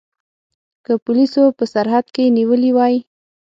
که پولیسو په سرحد کې نیولي وای.